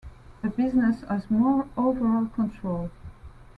A business has more overall control.